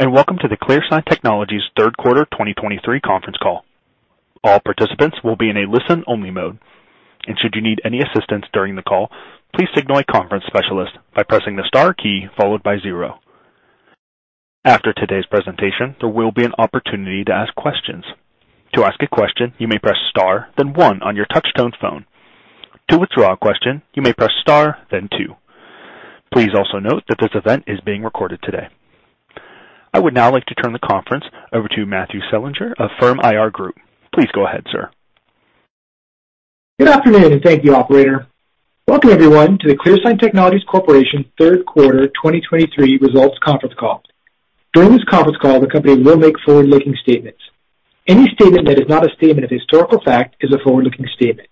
Good day, and welcome to the ClearSign Technologies third quarter 2023 conference call. All participants will be in a listen-only mode, and should you need any assistance during the call, please signal a conference specialist by pressing the star key followed by zero. After today's presentation, there will be an opportunity to ask questions. To ask a question, you may press star, then one on your touchtone phone. To withdraw a question, you may press star, then two. Please also note that this event is being recorded today. I would now like to turn the conference over to Matthew Selinger of Firm IR Group. Please go ahead, sir. Good afternoon, and thank you, operator. Welcome, everyone, to the ClearSign Technologies Corporation third quarter 2023 results conference call. During this conference call, the company will make forward-looking statements. Any statement that is not a statement of historical fact is a forward-looking statement.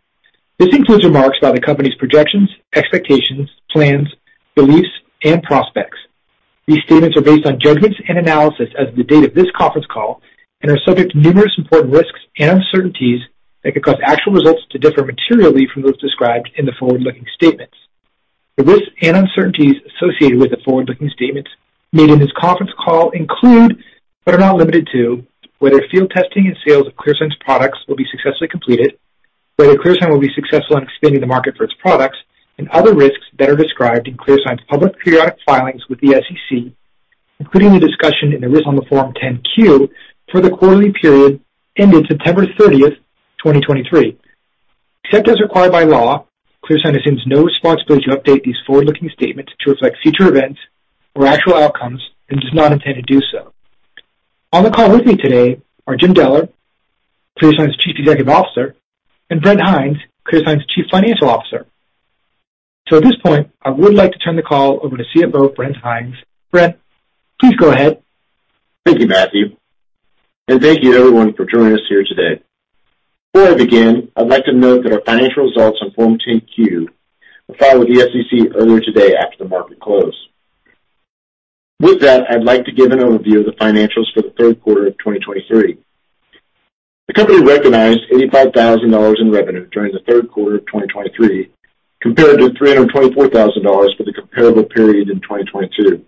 This includes remarks about the company's projections, expectations, plans, beliefs, and prospects. These statements are based on judgments and analysis as of the date of this conference call and are subject to numerous important risks and uncertainties that could cause actual results to differ materially from those described in the forward-looking statements. The risks and uncertainties associated with the forward-looking statements made in this conference call include, but are not limited to, whether field testing and sales of ClearSign's products will be successfully completed, whether ClearSign will be successful in expanding the market for its products, and other risks that are described in ClearSign's public periodic filings with the SEC, including the discussion in the risk on the Form 10-Q for the quarterly period ended September 30, 2023. Except as required by law, ClearSign assumes no responsibility to update these forward-looking statements to reflect future events or actual outcomes and does not intend to do so. On the call with me today are Jim Deller, ClearSign's Chief Executive Officer, and Brent Hinds, ClearSign's Chief Financial Officer. At this point, I would like to turn the call over to CFO Brent Hinds. Brent, please go ahead. Thank you, Matthew, and thank you, everyone, for joining us here today. Before I begin, I'd like to note that our financial results on Form 10-Q were filed with the SEC earlier today after the market closed. With that, I'd like to give an overview of the financials for the third quarter of 2023. The company recognized $85,000 in revenue during the third quarter of 2023, compared to $324,000 for the comparable period in 2022.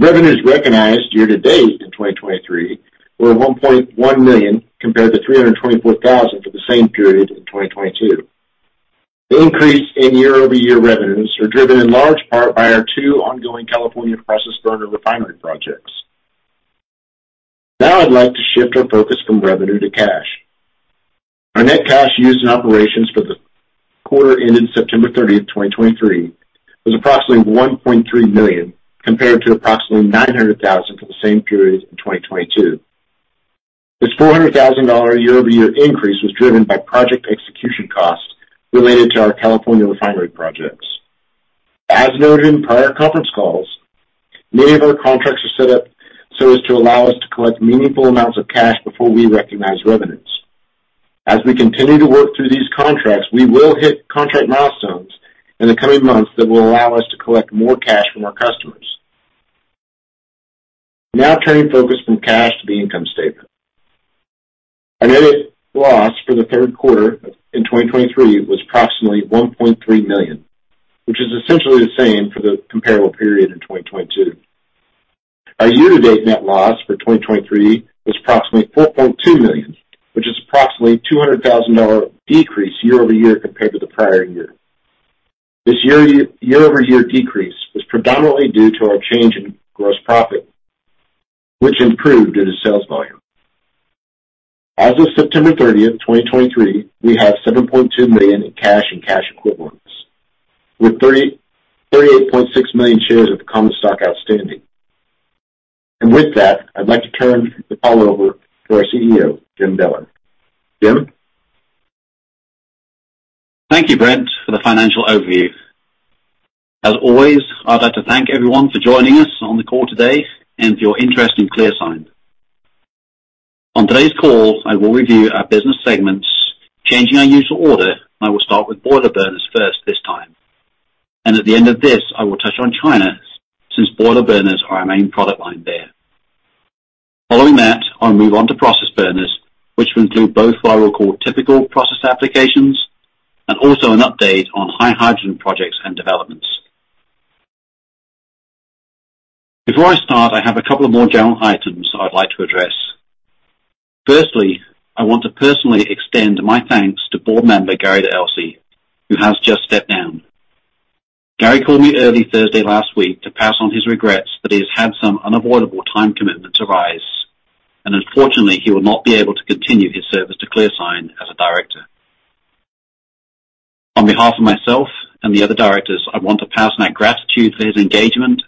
Revenues recognized year to date in 2023 were $1.1 million, compared to $324,000 for the same period in 2022. The increase in year-over-year revenues are driven in large part by our two ongoing California process burner refinery projects. Now I'd like to shift our focus from revenue to cash. Our net cash used in operations for the quarter ended September 30, 2023, was approximately $1.3 million, compared to approximately $900,000 for the same period in 2022. This $400,000 year-over-year increase was driven by project execution costs related to our California refinery projects. As noted in prior conference calls, many of our contracts are set up so as to allow us to collect meaningful amounts of cash before we recognize revenues. As we continue to work through these contracts, we will hit contract milestones in the coming months that will allow us to collect more cash from our customers. Now turning focus from cash to the income statement. Our net loss for the third quarter in 2023 was approximately $1.3 million, which is essentially the same for the comparable period in 2022. Our year-to-date net loss for 2023 was approximately $4.2 million, which is approximately $200,000 decrease year over year compared to the prior year. This year over year, year over year decrease was predominantly due to our change in gross profit, which improved due to sales volume. As of September 30th, 2023, we have $7.2 million in cash and cash equivalents, with 38.6 million shares of common stock outstanding. And with that, I'd like to turn the call over to our CEO, Jim Deller. Jim? Thank you, Brent, for the financial overview. As always, I'd like to thank everyone for joining us on the call today and for your interest in ClearSign. On today's call, I will review our business segments. Changing our usual order, I will start with boiler burners first this time, and at the end of this, I will touch on China, since boiler burners are our main product line there. Following that, I'll move on to process burners, which will include both what I will call typical process applications and also an update on high hydrogen projects and developments. Before I start, I have a couple of more general items I'd like to address. Firstly, I want to personally extend my thanks to board member Gary Delcy, who has just stepped down. Gary called me early Thursday last week to pass on his regrets that he has had some unavoidable time commitments arise, and unfortunately, he will not be able to continue his service to ClearSign as a director. On behalf of myself and the other directors, I want to pass on our gratitude for his engagement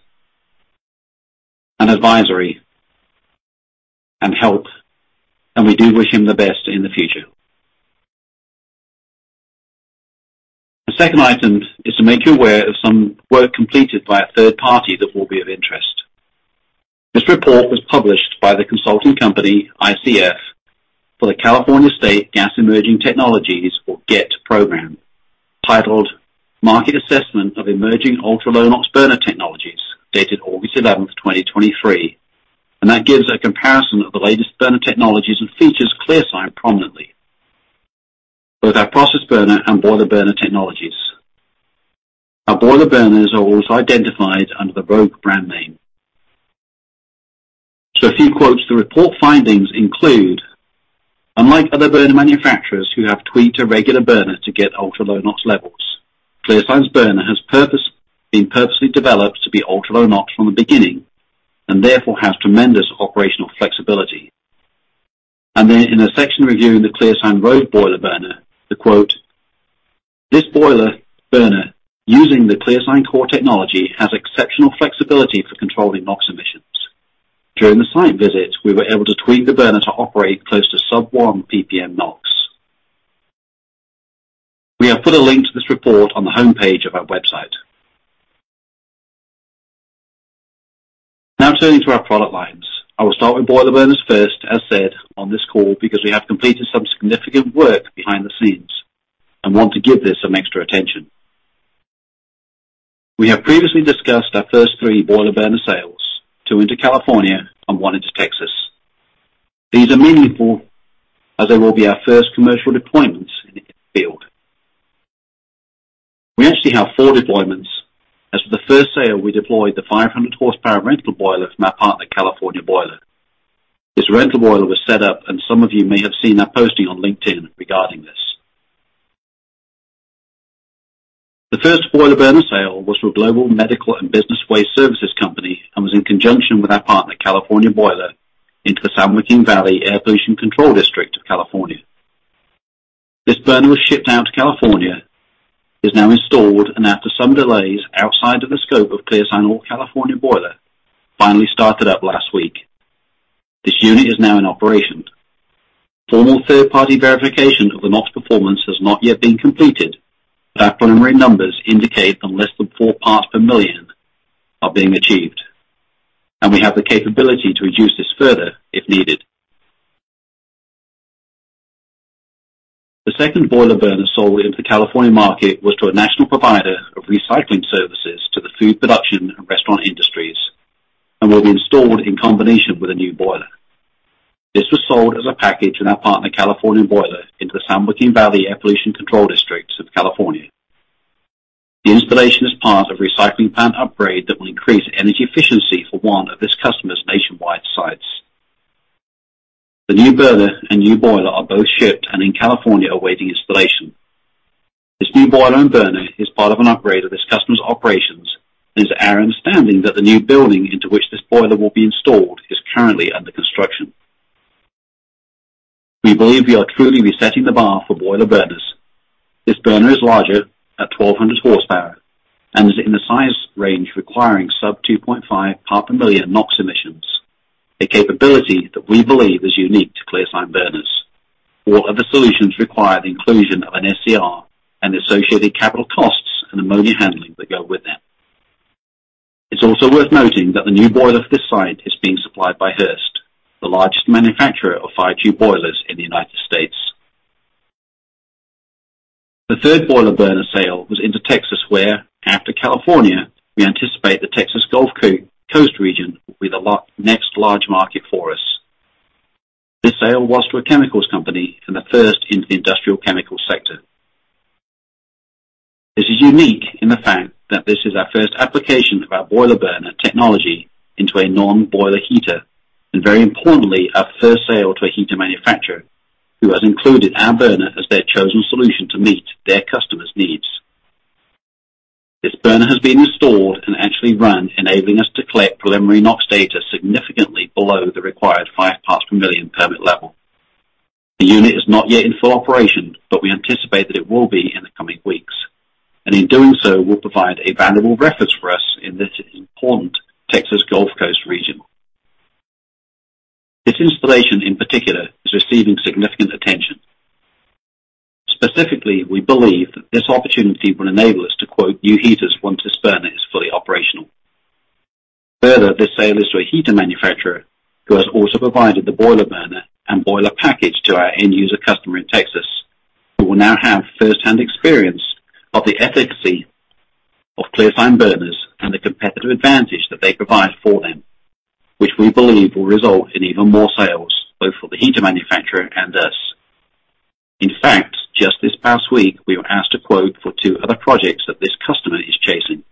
and advisory and help, and we do wish him the best in the future. The second item is to make you aware of some work completed by a third party that will be of interest. This report was published by the consulting company ICF for the California State Gas Emerging Technologies, or GET program, titled Market Assessment of Emerging Ultra-Low NOx Burner Technologies, dated August 11, 2023, and that gives a comparison of the latest burner technologies and features ClearSign prominently.... Both our process burner and boiler burner technologies. Our boiler burners are also identified under the Rogue brand name. So a few quotes. The report findings include: "Unlike other burner manufacturers who have tweaked a regular burner to get ultra-low NOx levels, ClearSign's burner has been purposely developed to be ultra-low NOx from the beginning, and therefore has tremendous operational flexibility." And then in a section reviewing the ClearSign Rogue boiler burner, the quote, "This boiler burner, using the ClearSign Core technology, has exceptional flexibility for controlling NOx emissions. During the site visit, we were able to tweak the burner to operate close to sub-1 ppm NOx." We have put a link to this report on the homepage of our website. Now turning to our product lines. I will start with boiler burners first, as said on this call, because we have completed some significant work behind the scenes and want to give this some extra attention. We have previously discussed our first three boiler burner sales, two into California and one into Texas. These are meaningful, as they will be our first commercial deployments in the field. We actually have four deployments. As for the first sale, we deployed the 500 horsepower rental boiler from our partner, California Boiler. This rental boiler was set up, and some of you may have seen our posting on LinkedIn regarding this. The first boiler burner sale was to a global medical and business waste services company, and was in conjunction with our partner, California Boiler, into the San Joaquin Valley Air Pollution Control District of California. This burner was shipped out to California, is now installed, and after some delays outside of the scope of ClearSign or California Boiler, finally started up last week. This unit is now in operation. Formal third-party verification of the NOx performance has not yet been completed, but our preliminary numbers indicate that less than 4 parts per million are being achieved, and we have the capability to reduce this further if needed. The second boiler burner sold into the California market was to a national provider of recycling services to the food production and restaurant industries, and will be installed in combination with a new boiler. This was sold as a package to our partner, California Boiler, into the San Joaquin Valley Air Pollution Control District of California. The installation is part of a recycling plant upgrade that will increase energy efficiency for one of this customer's nationwide sites. The new burner and new boiler are both shipped and in California, awaiting installation. This new boiler and burner is part of an upgrade of this customer's operations, and it's our understanding that the new building into which this boiler will be installed is currently under construction. We believe we are truly resetting the bar for boiler burners. This burner is larger, at 1,200 horsepower, and is in the size range requiring sub-2.5 parts per million NOx emissions, a capability that we believe is unique to ClearSign burners. All other solutions require the inclusion of an SCR and associated capital costs and ammonia handling that go with them. It's also worth noting that the new boiler for this site is being supplied by Hurst, the largest manufacturer of fire tube boilers in the United States. The third boiler burner sale was into Texas, where, after California, we anticipate the Texas Gulf Coast region will be the next large market for us. This sale was to a chemicals company, and the first in the industrial chemicals sector. This is unique in the fact that this is our first application of our boiler burner technology into a non-boiler heater, and very importantly, our first sale to a heater manufacturer, who has included our burner as their chosen solution to meet their customers' needs. This burner has been installed and actually run, enabling us to collect preliminary NOx data significantly below the required 5 parts per million permit level. The unit is not yet in full operation, but we anticipate that it will be in the coming weeks, and in doing so, will provide a valuable reference for us in this important Texas Gulf Coast region. This installation, in particular, is receiving significant attention. Specifically, we believe that this opportunity will enable us to quote new heaters once this burner is fully operational. Further, this sale is to a heater manufacturer who has also provided the boiler burner and boiler package to our end user customer in Texas, who will now have first-hand experience of the efficacy of ClearSign burners and the competitive advantage that they provide for them, which we believe will result in even more sales, both for the heater manufacturer and us. In fact, just this past week, we were asked to quote for two other projects that this customer is chasing.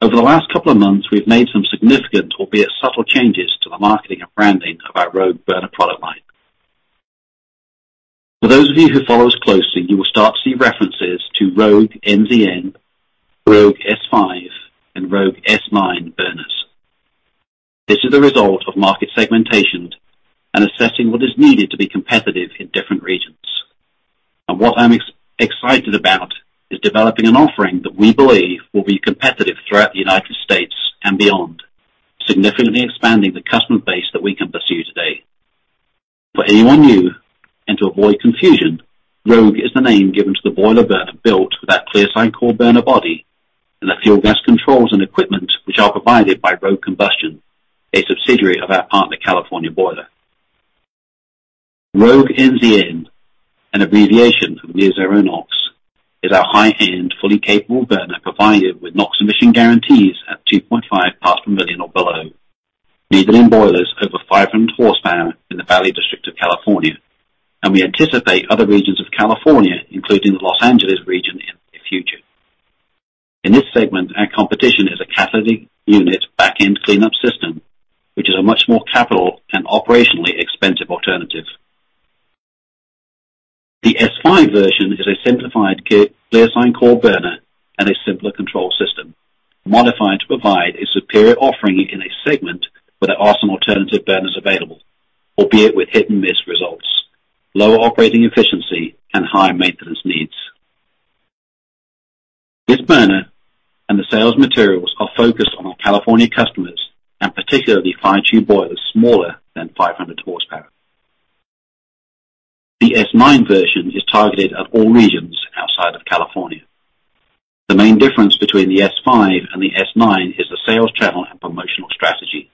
Over the last couple of months, we've made some significant, albeit subtle, changes to the marketing and branding of our Rogue burner product line. For those of you who follow us closely, you will start to see references to Rogue NZN, Rogue S5, and Rogue S9 burners. This is a result of market segmentation and assessing what is needed to be competitive in different regions. And what I'm excited about is developing an offering that we believe will be competitive throughout the United States and beyond, significantly expanding the customer base that we can pursue today. For anyone new, and to avoid confusion, Rogue is the name given to the boiler burner built with that ClearSign Core burner body, and the fuel gas controls and equipment, which are provided by Rogue Combustion, a subsidiary of our partner, California Boiler. Rogue NZN, an abbreviation for Near Zero NOx-... is our high-end, fully capable burner, provided with NOx emission guarantees at 2.5 parts per million or below, needed in boilers over 500 horsepower in the Valley District of California. We anticipate other regions of California, including the Los Angeles region, in the future. In this segment, our competition is a catalytic unit back-end cleanup system, which is a much more capital and operationally expensive alternative. The S5 version is a simplified ClearSign Core burner and a simpler control system, modified to provide a superior offering in a segment where there are some alternative burners available, albeit with hit-and-miss results, lower operating efficiency, and high maintenance needs. This burner and the sales materials are focused on our California customers, and particularly fire tube boilers smaller than 500 horsepower. The S9 version is targeted at all regions outside of California. The main difference between the S5 and the S9 is the sales channel and promotional strategy,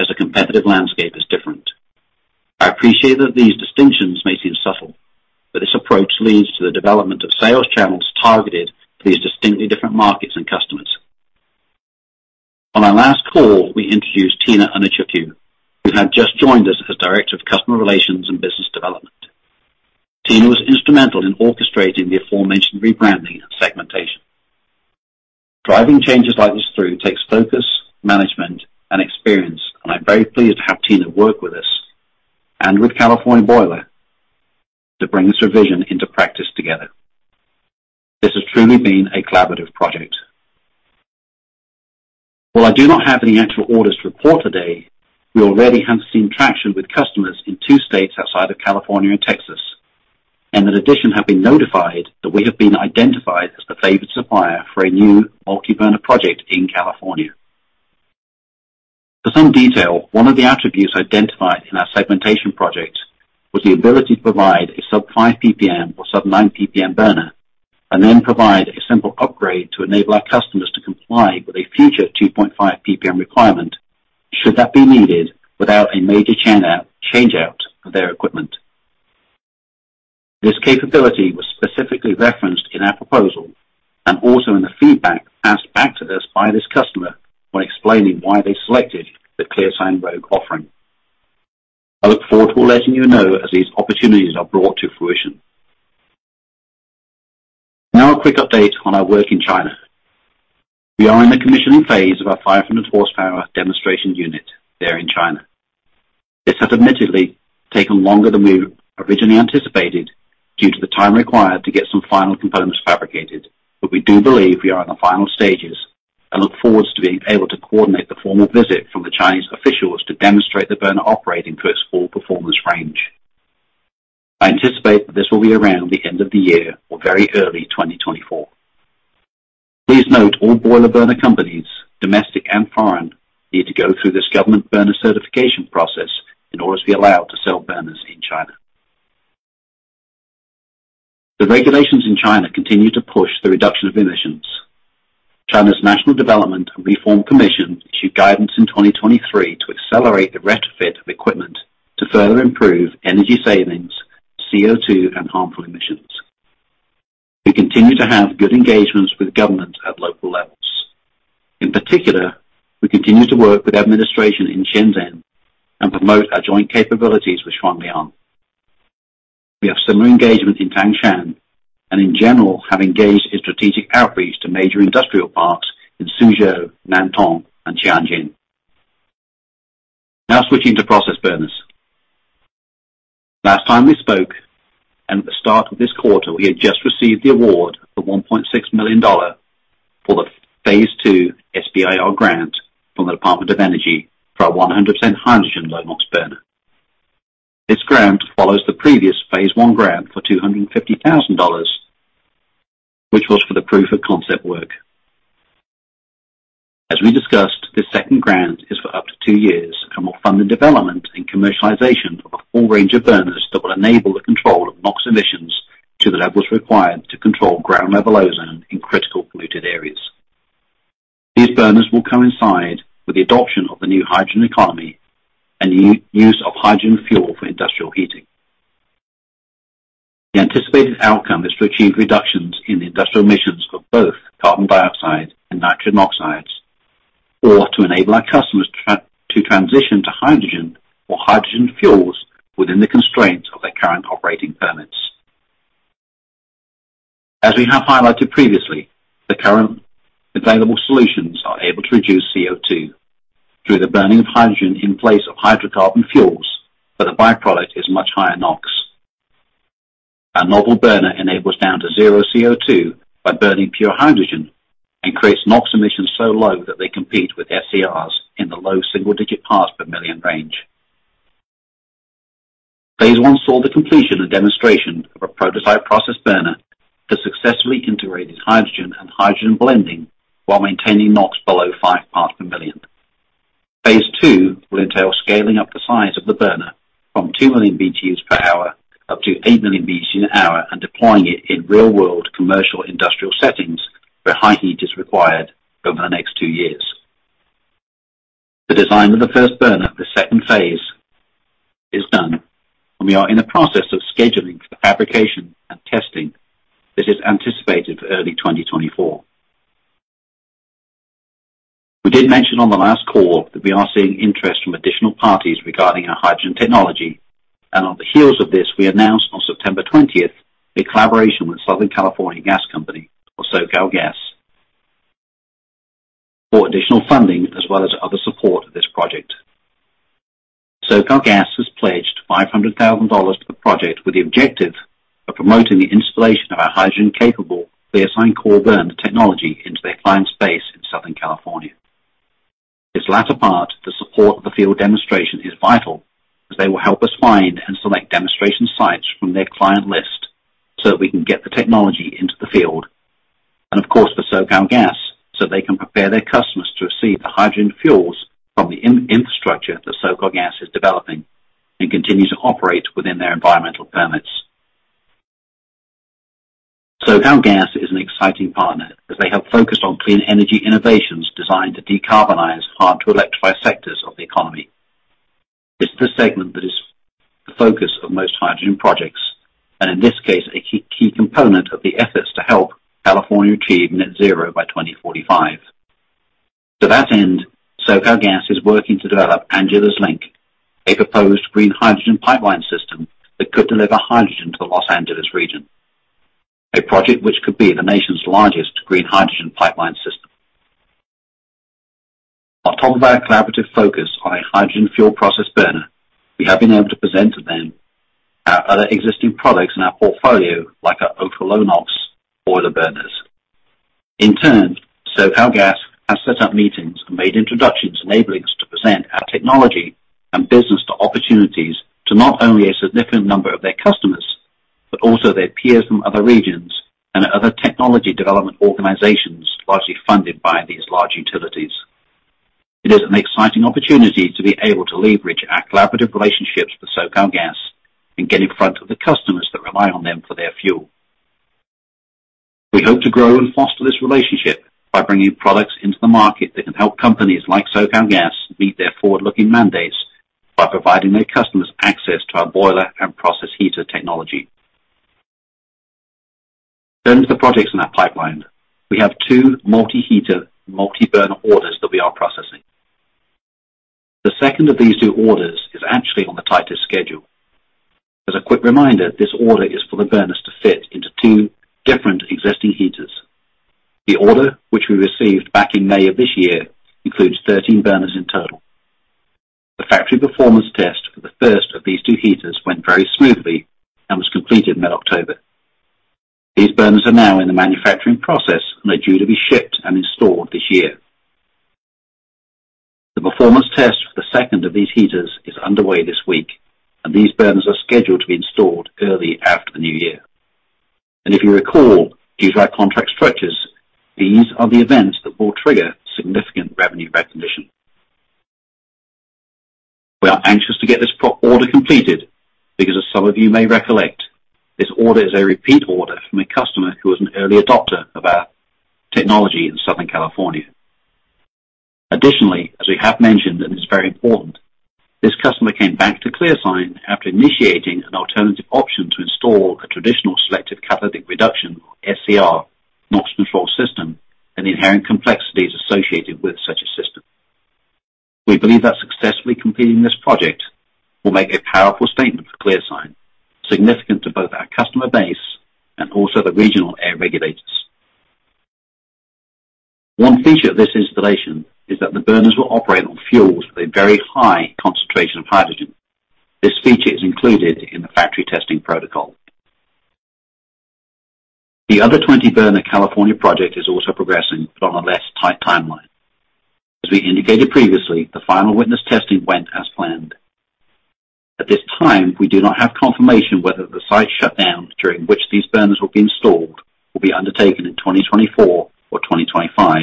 as the competitive landscape is different. I appreciate that these distinctions may seem subtle, but this approach leads to the development of sales channels targeted to these distinctly different markets and customers. On our last call, we introduced Tina Anichukwu, who had just joined us as Director of Customer Relations and Business Development. Tina was instrumental in orchestrating the aforementioned rebranding and segmentation. Driving changes like this through takes focus, management, and experience, and I'm very pleased to have Tina work with us, and with California Boiler, to bring this revision into practice together. This has truly been a collaborative project. While I do not have any actual orders to report today, we already have seen traction with customers in two states outside of California and Texas, and in addition, have been notified that we have been identified as the favored supplier for a new multi-burner project in California. For some detail, one of the attributes identified in our segmentation project was the ability to provide a sub-5 PPM or sub-9 PPM burner, and then provide a simple upgrade to enable our customers to comply with a future 2.5 PPM requirement, should that be needed, without a major change out, change out of their equipment. This capability was specifically referenced in our proposal and also in the feedback passed back to us by this customer when explaining why they selected the ClearSign Rogue offering. I look forward to letting you know as these opportunities are brought to fruition. Now, a quick update on our work in China. We are in the commissioning phase of our 500 horsepower demonstration unit there in China. This has admittedly taken longer than we originally anticipated, due to the time required to get some final components fabricated. We do believe we are in the final stages and look forward to being able to coordinate the formal visit from the Chinese officials to demonstrate the burner operating through its full performance range. I anticipate that this will be around the end of the year or very early 2024. Please note, all boiler burner companies, domestic and foreign, need to go through this government burner certification process in order to be allowed to sell burners in China. The regulations in China continue to push the reduction of emissions. China's National Development and Reform Commission issued guidance in 2023 to accelerate the retrofit of equipment to further improve energy savings, CO2, and harmful emissions. We continue to have good engagements with government at local levels. In particular, we continue to work with administration in Shenzhen and promote our joint capabilities with Shuangliang. We have similar engagement in Tangshan, and in general, have engaged in strategic outreach to major industrial parks in Suzhou, Nantong, and Tianjin. Now switching to process burners. Last time we spoke, and at the start of this quarter, we had just received the award of $1.6 million for the phase 2 SBIR grant from the Department of Energy for our 100% hydrogen low NOx burner. This grant follows the previous phase 1 grant for $250,000, which was for the proof of concept work. As we discussed, this second grant is for up to two years and will fund the development and commercialization of a full range of burners that will enable the control of NOx emissions to the levels required to control ground level ozone in critical polluted areas. These burners will coincide with the adoption of the new hydrogen economy and use of hydrogen fuel for industrial heating. The anticipated outcome is to achieve reductions in industrial emissions for both carbon dioxide and nitrogen oxides, or to enable our customers to transition to hydrogen or hydrogen fuels within the constraints of their current operating permits. As we have highlighted previously, the current available solutions are able to reduce CO2 through the burning of hydrogen in place of hydrocarbon fuels, but the byproduct is much higher NOx. Our novel burner enables down to 0 CO2 by burning pure hydrogen and creates NOx emissions so low that they compete with SCRs in the low single-digit parts per million range. Phase 1 saw the completion and demonstration of a prototype process burner that successfully integrated hydrogen and hydrogen blending while maintaining NOx below 5 parts per million. Phase 2 will entail scaling up the size of the burner from 2 million BTUs per hour up to 8 million BTUs an hour, and deploying it in real-world commercial industrial settings, where high heat is required, over the next 2 years....under the first burner, the second phase is done, and we are in the process of scheduling for fabrication and testing. This is anticipated for early 2024. We did mention on the last call that we are seeing interest from additional parties regarding our hydrogen technology, and on the heels of this, we announced on September 20, a collaboration with Southern California Gas Company or SoCalGas, for additional funding, as well as other support of this project. SoCalGas has pledged $500,000 to the project with the objective of promoting the installation of our hydrogen-capable ClearSign Core burner technology into their client space in Southern California. This latter part, the support of the field demonstration, is vital, as they will help us find and select demonstration sites from their client list, so that we can get the technology into the field. And of course, for SoCalGas, so they can prepare their customers to receive the hydrogen fuels from the infrastructure that SoCalGas is developing, and continue to operate within their environmental permits. SoCalGas is an exciting partner, as they have focused on clean energy innovations designed to decarbonize hard-to-electrify sectors of the economy. It's this segment that is the focus of most hydrogen projects, and in this case, a key, key component of the efforts to help California achieve net zero by 2045. To that end, SoCalGas is working to develop Angeles Link, a proposed green hydrogen pipeline system that could deliver hydrogen to the Los Angeles region. A project which could be the nation's largest green hydrogen pipeline system. On top of our collaborative focus on a hydrogen fuel process burner, we have been able to present to them our other existing products in our portfolio, like our ultra-low NOx boiler burners. In turn, SoCalGas has set up meetings and made introductions, enabling us to present our technology and business to opportunities to not only a significant number of their customers, but also their peers from other regions and other technology development organizations, largely funded by these large utilities. It is an exciting opportunity to be able to leverage our collaborative relationships with SoCalGas, and get in front of the customers that rely on them for their fuel. We hope to grow and foster this relationship by bringing products into the market that can help companies like SoCalGas meet their forward-looking mandates, by providing their customers access to our boiler and process heater technology. Turning to the projects in our pipeline, we have two multi-heater, multi-burner orders that we are processing. The second of these two orders is actually on the tightest schedule. As a quick reminder, this order is for the burners to fit into two different existing heaters. The order, which we received back in May of this year, includes 13 burners in total. The factory performance test for the first of these two heaters went very smoothly, and was completed in mid-October. These burners are now in the manufacturing process, and are due to be shipped and installed this year. The performance test for the second of these heaters is underway this week, and these burners are scheduled to be installed early after the new year. If you recall, due to our contract structures, these are the events that will trigger significant revenue recognition. We are anxious to get this project order completed, because as some of you may recollect, this order is a repeat order from a customer who was an early adopter of our technology in Southern California. Additionally, as we have mentioned, and it's very important, this customer came back to ClearSign after initiating an alternative option to install a traditional selective catalytic reduction, SCR, NOx control system and the inherent complexities associated with such a system. We believe that successfully completing this project will make a powerful statement for ClearSign, significant to both our customer base and also the regional air regulators. One feature of this installation is that the burners will operate on fuels with a very high concentration of hydrogen. This feature is included in the factory testing protocol. The other 20-burner California project is also progressing, but on a less tight timeline. As we indicated previously, the final witness testing went as planned. At this time, we do not have confirmation whether the site shutdown, during which these burners will be installed, will be undertaken in 2024 or 2025.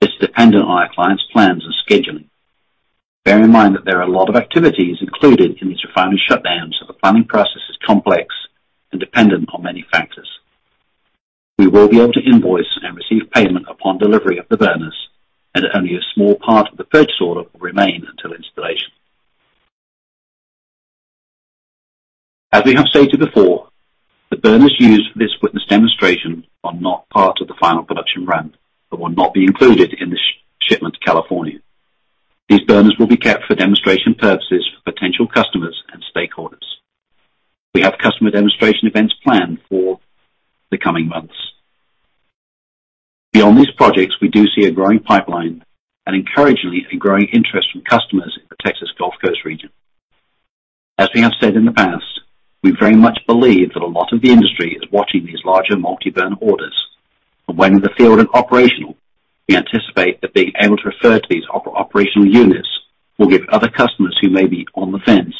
This is dependent on our clients' plans and scheduling. Bear in mind that there are a lot of activities included in these refinery shutdowns, so the planning process is complex and dependent on many factors. We will be able to invoice and receive payment upon delivery of the burners, and only a small part of the purchase order will remain until installation. As we have stated before, the burners used for this witness demonstration are not part of the final production run, but will not be included in the shipment to California. These burners will be kept for demonstration purposes for potential customers and stakeholders. We have customer demonstration events planned for the coming months. Beyond these projects, we do see a growing pipeline, and encouragingly, a growing interest from customers in the Texas Gulf Coast region. As we have said in the past, we very much believe that a lot of the industry is watching these larger multi-burner orders, and when in the field and operational, we anticipate that being able to refer to these operational units, will give other customers who may be on the fence,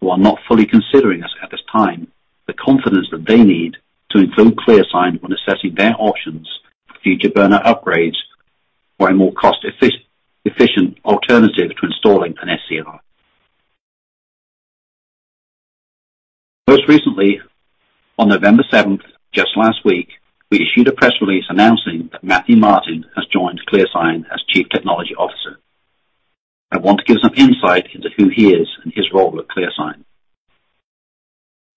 who are not fully considering us at this time, the confidence that they need to include ClearSign when assessing their options for future burner upgrades, or a more cost efficient alternative to installing an SCR. Most recently, on November seventh, just last week, we issued a press release announcing that Matthew Martin has joined ClearSign as Chief Technology Officer. I want to give some insight into who he is and his role at ClearSign.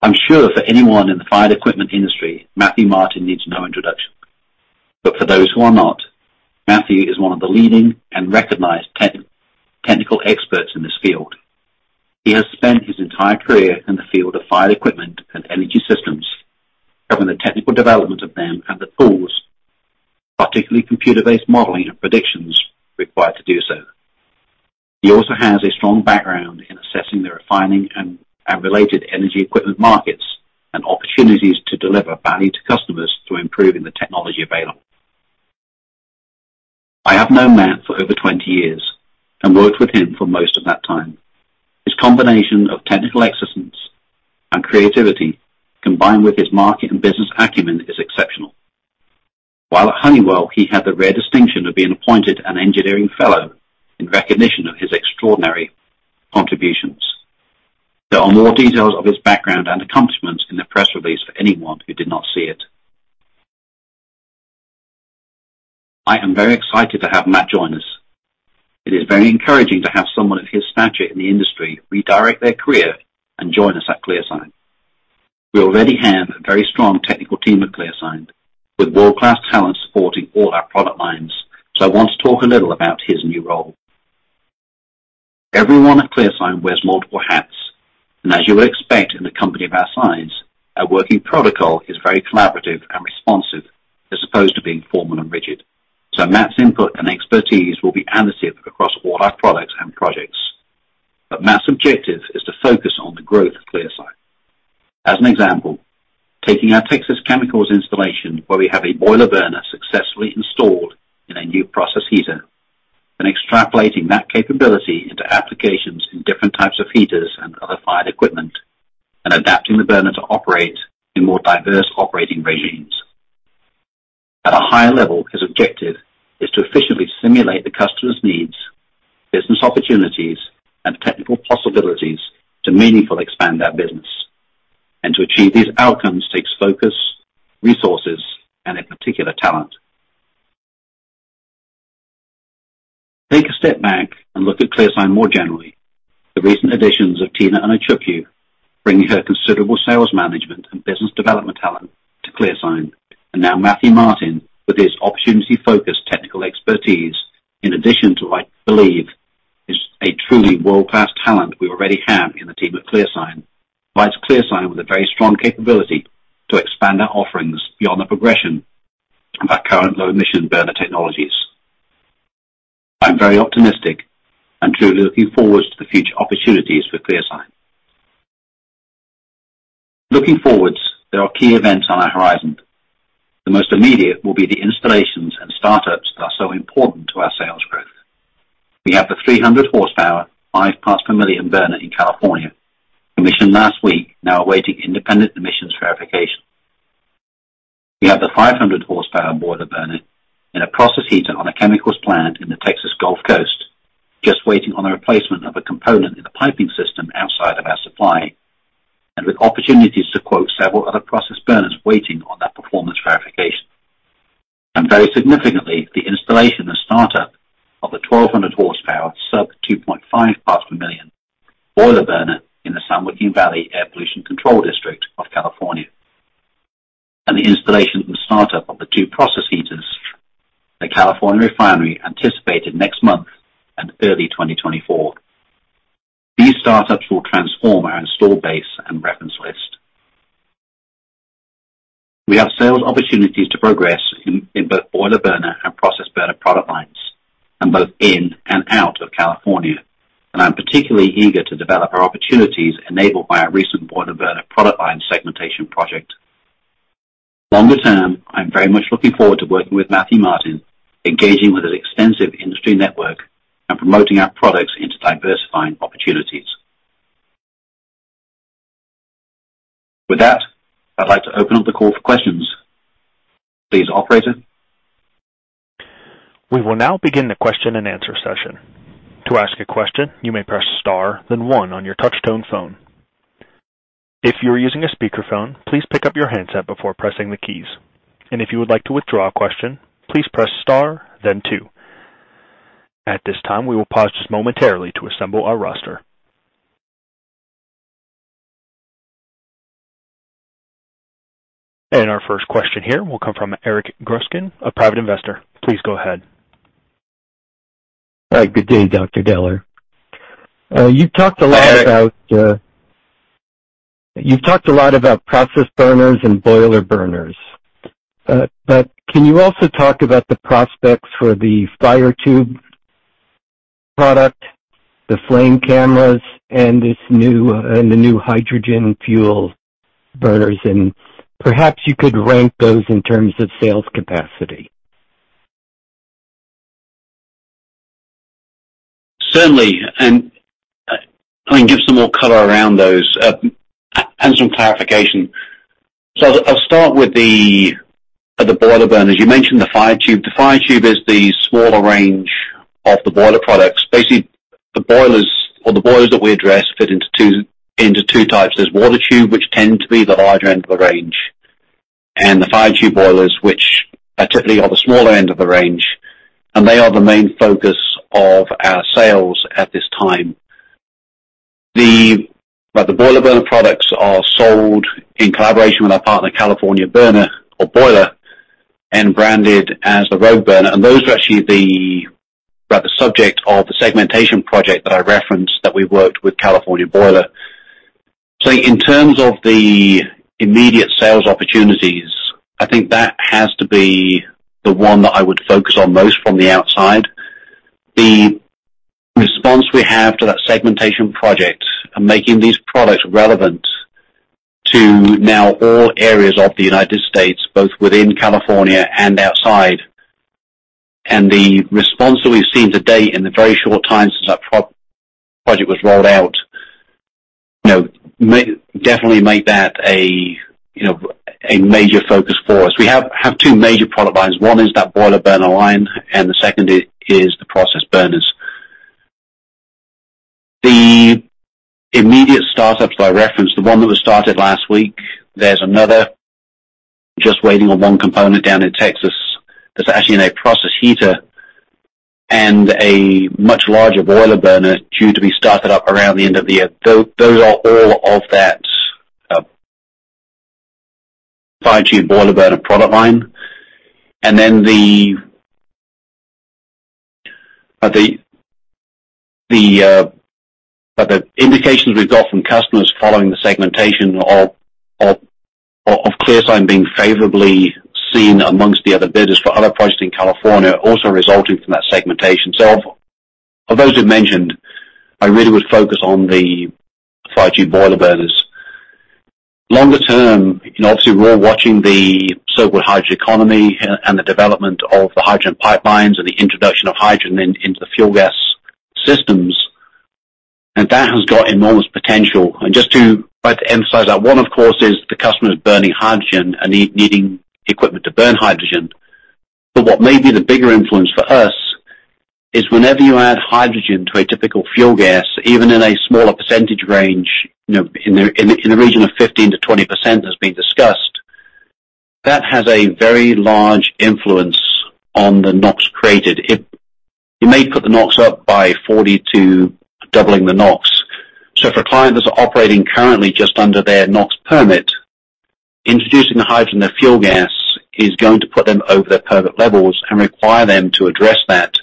I'm sure for anyone in the fire equipment industry, Matthew Martin needs no introduction, but for those who are not, Matthew is one of the leading and recognized technical experts in this field. He has spent his entire career in the field of fire equipment and energy systems, covering the technical development of them and the tools, particularly computer-based modeling and predictions, required to do so. He also has a strong background in assessing the refining and related energy equipment markets and opportunities to deliver value to customers through improving the technology available. I have known Matt for over 20 years and worked with him for most of that time. His combination of technical excellence and creativity, combined with his market and business acumen, is exceptional. While at Honeywell, he had the rare distinction of being appointed an engineering fellow in recognition of his extraordinary contributions. There are more details of his background and accomplishments in the press release for anyone who did not see it. I am very excited to have Matt join us. It is very encouraging to have someone of his stature in the industry redirect their career and join us at ClearSign. We already have a very strong technical team at ClearSign, with world-class talent supporting all our product lines, so I want to talk a little about his new role. Everyone at ClearSign wears multiple hats, and as you would expect in a company of our size, our working protocol is very collaborative and responsive, as opposed to being formal and rigid. So Matt's input and expertise will be additive across all our products and projects. Matt's objective is to focus on the growth of ClearSign. As an example, taking our Texas Chemicals installation, where we have a boiler burner successfully installed in a new process heater, and extrapolating that capability into applications in different types of heaters and other fired equipment, and adapting the burner to operate in more diverse operating regimes. At a higher level, his objective is to efficiently simulate the customer's needs, business opportunities, and technical possibilities to meaningfully expand our business. To achieve these outcomes takes focus, resources, and in particular, talent. Take a step back and look at ClearSign more generally. The recent additions of Tina Anichukwu, bringing her considerable sales management and business development talent to ClearSign, and now Matthew Martin, with his opportunity-focused technical expertise, in addition to, I believe, is a truly world-class talent we already have in the team at ClearSign, provides ClearSign with a very strong capability to expand our offerings beyond the progression of our current low-emission burner technologies. I'm very optimistic and truly looking forward to the future opportunities for ClearSign. Looking forwards, there are key events on our horizon. The most immediate will be the installations and startups that are so important to our sales growth. We have the 300 horsepower, 5 parts per million burner in California, commissioned last week, now awaiting independent emissions verification. We have the 500-horsepower boiler burner in a process heater on a chemicals plant in the Texas Gulf Coast, just waiting on the replacement of a component in the piping system outside of our supply, and with opportunities to quote several other process burners waiting on that performance verification. Very significantly, the installation and startup of the 1,200-horsepower sub-2.5 parts per million boiler burner in the San Joaquin Valley Air Pollution Control District of California, and the installation and startup of the 2 process heaters, the California Refinery anticipated next month and early 2024. These startups will transform our install base and reference list. We have sales opportunities to progress in both boiler burner and process burner product lines, and both in and out of California, and I'm particularly eager to develop our opportunities enabled by our recent boiler burner product line segmentation project. Longer term, I'm very much looking forward to working with Matthew Martin, engaging with his extensive industry network, and promoting our products into diversifying opportunities. With that, I'd like to open up the call for questions. Please, operator? We will now begin the question and answer session. To ask a question, you may press star, then one on your touchtone phone. If you are using a speakerphone, please pick up your handset before pressing the keys. And if you would like to withdraw a question, please press star, then two. At this time, we will pause just momentarily to assemble our roster. And our first question here will come from Eric Gruskin, a private investor. Please go ahead. Hi, good day, Dr. Deller. You've talked a lot about, Hi, Eric. You've talked a lot about process burners and boiler burners. But can you also talk about the prospects for the fire tube product, the flame cameras, and this new, and the new hydrogen fuel burners? And perhaps you could rank those in terms of sales capacity. Certainly, and I can give some more color around those, and some clarification. So I'll start with the boiler burners. You mentioned the fire tube. The fire tube is the smaller range of the boiler products. Basically, the boilers that we address fit into two types. There's water tube, which tend to be the larger end of the range, and the fire tube boilers, which are typically on the smaller end of the range, and they are the main focus of our sales at this time. But the boiler burner products are sold in collaboration with our partner, California Boiler, and branded as the Rogue burner. And those are actually the subject of the segmentation project that I referenced, that we worked with California Boiler. So in terms of the immediate sales opportunities, I think that has to be the one that I would focus on most from the outside. The response we have to that segmentation project and making these products relevant to now all areas of the United States, both within California and outside, and the response that we've seen to date in the very short time since that project was rolled out, you know, definitely make that a, you know, a major focus for us. We have two major product lines. One is that boiler burner line, and the second is the process burners. The immediate startups I referenced, the one that was started last week, there's another just waiting on one component down in Texas, that's actually in a process heater, and a much larger boiler burner due to be started up around the end of the year. Those, those are all of that fire tube boiler burner product line. And then the indications we've got from customers following the segmentation of ClearSign being favorably seen amongst the other business for other projects in California, also resulting from that segmentation. So of those you've mentioned, I really would focus on the fire tube boiler burners. Longer term, you know, obviously we're all watching the so-called hydrogen economy and the development of the hydrogen pipelines and the introduction of hydrogen into the fuel gas systems. And that has got enormous potential. And just to emphasize that, one, of course, is the customer is burning hydrogen and need, needing equipment to burn hydrogen. But what may be the bigger influence for us, is whenever you add hydrogen to a typical fuel gas, even in a smaller percentage range, you know, in the region of 15%-20% has been discussed, that has a very large influence on the NOx created. It may put the NOx up by 40 to doubling the NOx. So for clients that are operating currently just under their NOx permit, introducing the hydrogen to fuel gas is going to put them over their permit levels and require them to address that.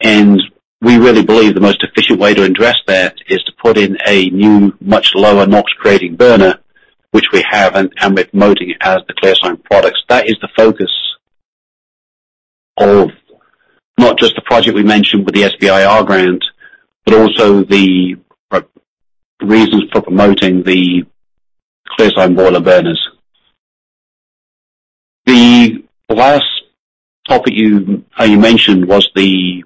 And we really believe the most efficient way to address that is to put in a new, much lower NOx creating burner, which we have, and we're promoting it as the ClearSign products. That is the focus of not just the project we mentioned with the SBIR grant, but also the reasons for promoting the ClearSign boiler burners. The last topic you mentioned was the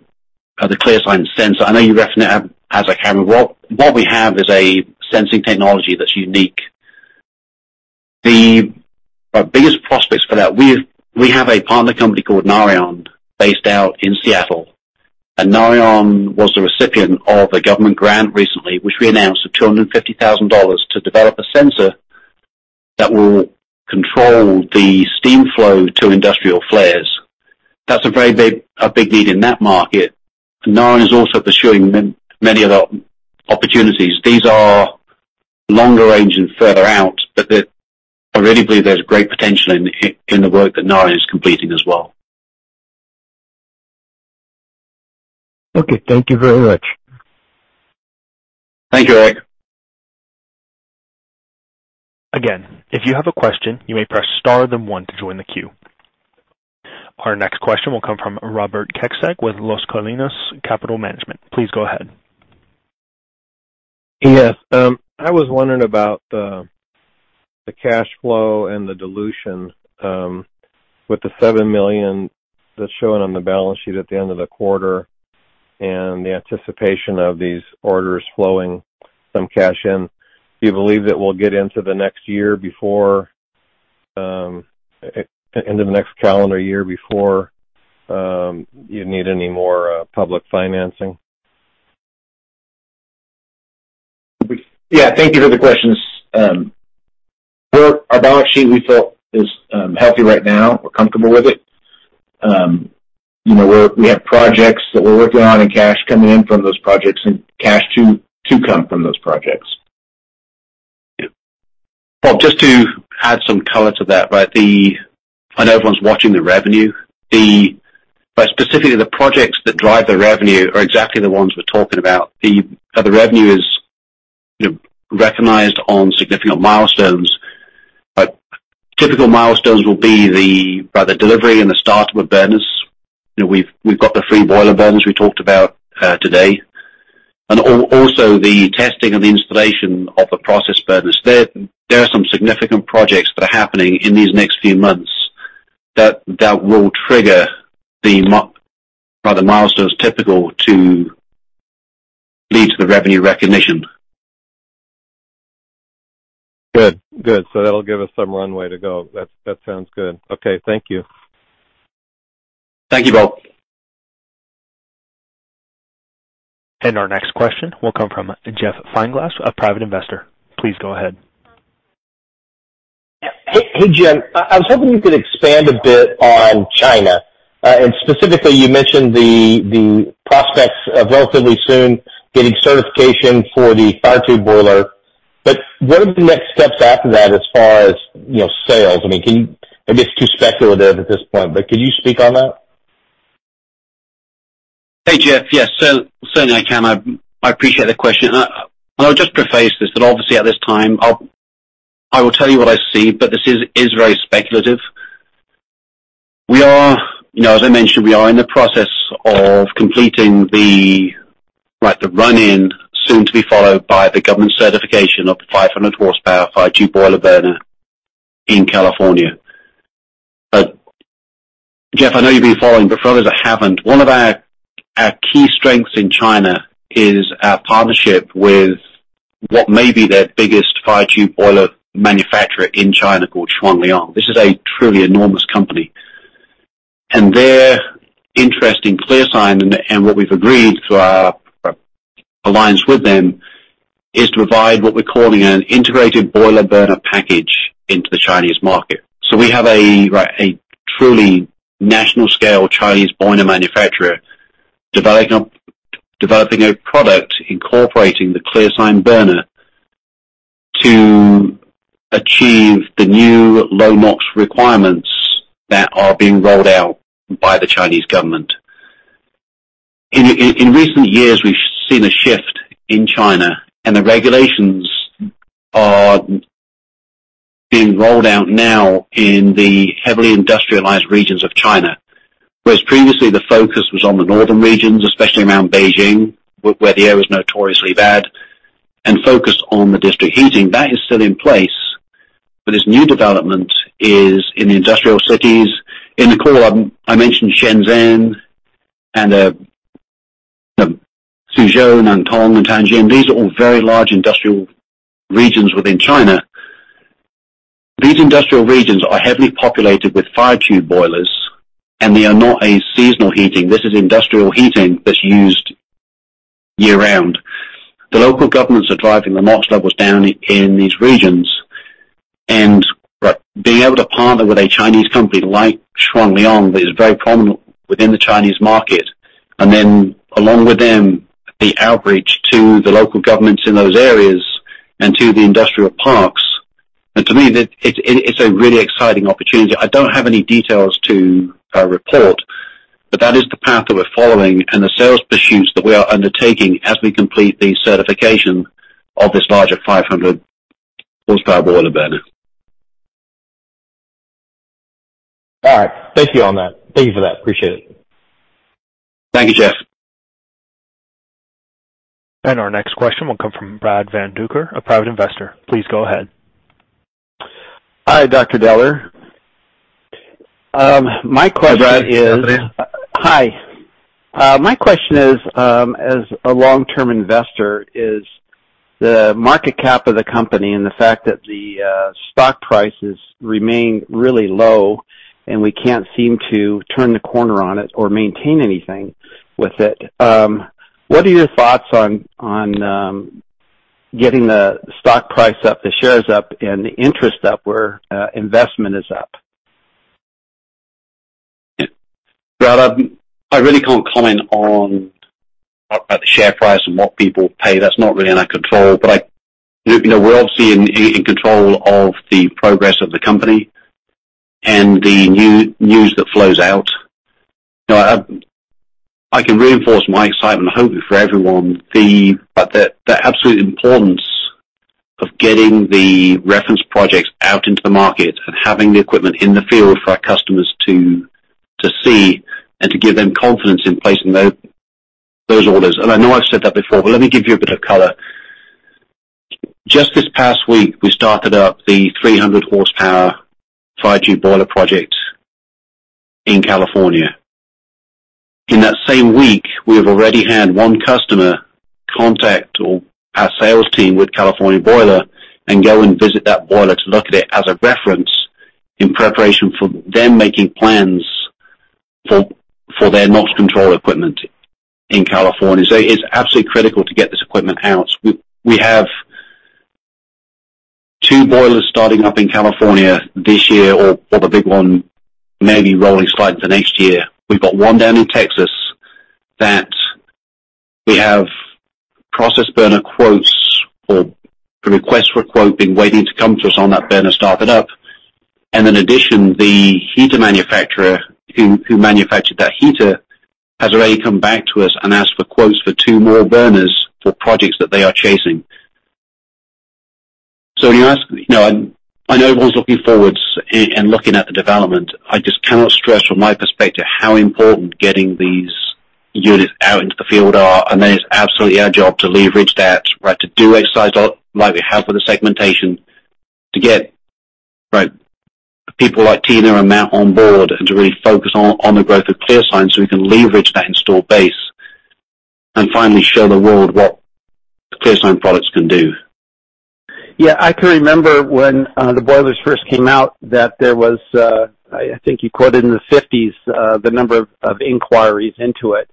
ClearSign sensor. I know you referenced it as a camera. What we have is a sensing technology that's unique. Our biggest prospects for that, we have a partner company called Nariand, based out in Seattle. And Nariand was the recipient of a government grant recently, which we announced of $250,000, to develop a sensor that will control the steam flow to industrial flares. That's a very big need in that market. Nariand is also pursuing many, many other opportunities. These are longer range and further out, but there, I really believe there's great potential in the work that Nariand is completing as well. Okay, thank you very much. Thank you, Eric. Again, if you have a question, you may press Star, then one to join the queue. Our next question will come from Robert Kecseg with Las Colinas Capital Management. Please go ahead. Yes, I was wondering about the cash flow and the dilution, with the $7 million that's shown on the balance sheet at the end of the quarter and the anticipation of these orders flowing some cash in. Do you believe that we'll get into the next year before, into the next calendar year before, you need any more, public financing? Yeah, thank you for the questions. Well, our balance sheet, we felt, is healthy right now. We're comfortable with it. You know, we have projects that we're working on in cash coming in from those projects and cash to come from those projects. Well, just to add some color to that, but I know everyone's watching the revenue. But specifically, the projects that drive the revenue are exactly the ones we're talking about. The revenue is, you know, recognized on significant milestones, but typical milestones will be by the delivery and the start of a business. You know, we've got the three boiler burners we talked about today, and also the testing and the installation of the process burners. There are some significant projects that are happening in these next few months that will trigger the milestones typical to lead to the revenue recognition. Good. Good. So that'll give us some runway to go. That, that sounds good. Okay. Thank you. Thank you, Bob. Our next question will come from Jeff Fineglass, a private investor. Please go ahead. Hey, hey, Jim. I was hoping you could expand a bit on China. And specifically, you mentioned the prospects of relatively soon getting certification for the Fire Tube Boiler. But what are the next steps after that as far as, you know, sales? I mean, can you, maybe it's too speculative at this point, but could you speak on that? Hey, Jeff. Yes, certainly I can. I appreciate the question. And I'll just preface this, that obviously at this time, I will tell you what I see, but this is very speculative. We are, you know, as I mentioned, we are in the process of completing the run-in, soon to be followed by the government certification of the 500 horsepower fire tube boiler burner in California. But Jeff, I know you've been following, but for others that haven't, one of our key strengths in China is our partnership with what may be their biggest fire tube boiler manufacturer in China, called Shuangliang. This is a truly enormous company, and their interest in ClearSign, and what we've agreed through our alliance with them, is to provide what we're calling an integrated boiler burner package into the Chinese market. So we have a truly national-scale Chinese boiler manufacturer, developing a product incorporating the ClearSign burner to achieve the new low NOx requirements that are being rolled out by the Chinese government. In recent years, we've seen a shift in China, and the regulations are being rolled out now in the heavily industrialized regions of China. Whereas previously, the focus was on the northern regions, especially around Beijing, where the air was notoriously bad, and focused on the district heating. That is still in place, but this new development is in the industrial cities. In the core, I mentioned Shenzhen and, you know, Suzhou, Nantong, and Tianjin. These are all very large industrial regions within China. These industrial regions are heavily populated with fire tube boilers, and they are not a seasonal heating. This is industrial heating that's used year-round. The local governments are driving the NOx levels down in these regions, and, right, being able to partner with a Chinese company like Shuangliang, that is very prominent within the Chinese market, and then along with them, the outreach to the local governments in those areas and to the industrial parks, and to me, it's a really exciting opportunity. I don't have any details to report, but that is the path that we're following and the sales pursuits that we are undertaking as we complete the certification of this larger 500 horsepower boiler burner. All right. Thank you on that. Thank you for that. Appreciate it. Thank you, Jeff. Our next question will come from Brad Van Duker, a private investor. Please go ahead. Hi, Dr. Deller. My question is- Hi, Brad. How are you? Hi. My question is, as a long-term investor, is the market cap of the company and the fact that the stock prices remain really low, and we can't seem to turn the corner on it or maintain anything with it. What are your thoughts on getting the stock price up, the shares up, and the interest up, where investment is up? Brad, I really can't comment on the share price and what people pay. That's not really in our control, but you know, we're obviously in control of the progress of the company and the new news that flows out. You know, I can reinforce my excitement, hopefully for everyone, the absolute importance of getting the reference projects out into the market and having the equipment in the field for our customers to see and to give them confidence in placing those orders. And I know I've said that before, but let me give you a bit of color. Just this past week, we started up the 300 horsepower Fire Tube Boiler project in California. In that same week, we have already had one customer contact or our sales team with California Boiler and go and visit that boiler to look at it as a reference in preparation for them making plans for their NOx control equipment in California. So it's absolutely critical to get this equipment out. We have two boilers starting up in California this year, or the big one may be rolling slightly into next year. We've got one down in Texas that we have process burner quotes or the request for quote been waiting to come to us on that burner start it up. And in addition, the heater manufacturer who manufactured that heater has already come back to us and asked for quotes for two more burners for projects that they are chasing. So you ask... You know, I, I know everyone's looking forward and, and looking at the development. I just cannot stress from my perspective how important getting these units out into the field are, and then it's absolutely our job to leverage that, right, to do exercise like we have with the segmentation... Right. People like Tina and Matt on board and to really focus on, on the growth of ClearSign, so we can leverage that install base and finally show the world what ClearSign products can do. Yeah, I can remember when the boilers first came out, that there was I think you quoted in the 50s the number of inquiries into it.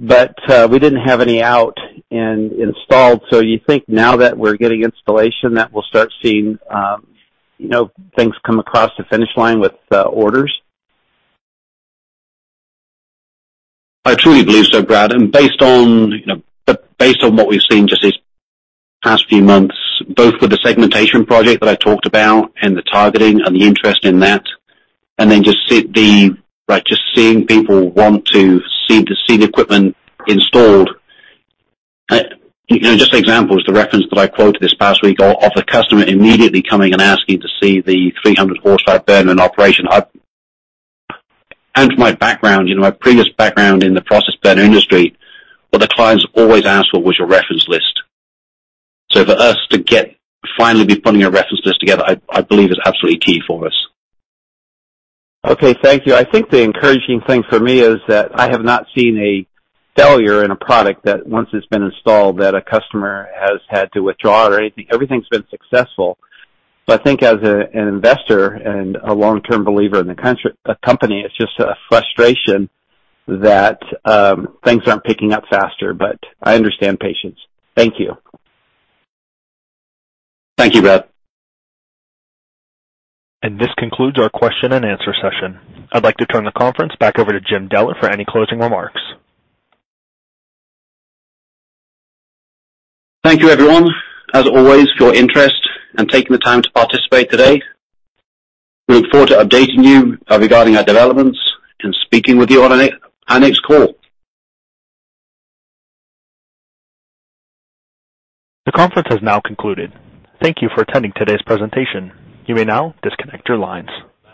But we didn't have any out and installed, so you think now that we're getting installation, that we'll start seeing, you know, things come across the finish line with orders? I truly believe so, Brad, and based on, you know, but based on what we've seen just these past few months, both with the segmentation project that I talked about and the targeting and the interest in that, and then just seeing people want to see the equipment installed. You know, just the example is the reference that I quoted this past week of the customer immediately coming and asking to see the 300 horsepower burner in operation. And from my background, you know, my previous background in the process burner industry, well, the clients always ask: "What was your reference list?" So for us to finally be putting a reference list together, I believe is absolutely key for us. Okay. Thank you. I think the encouraging thing for me is that I have not seen a failure in a product that once it's been installed, that a customer has had to withdraw or anything. Everything's been successful. So I think as a, an investor and a long-term believer in the company, it's just a frustration that things aren't picking up faster. But I understand patience. Thank you. Thank you, Brad. This concludes our question and answer session. I'd like to turn the conference back over to Jim Deller for any closing remarks. Thank you, everyone, as always, for your interest and taking the time to participate today. We look forward to updating you, regarding our developments and speaking with you on our next call. The conference has now concluded. Thank you for attending today's presentation. You may now disconnect your lines.